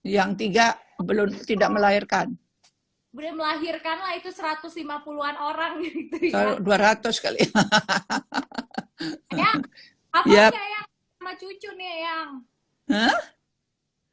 sembilan yang tiga belum tidak melahirkan melahirkanlah itu satu ratus lima puluh an orang dua ratus kali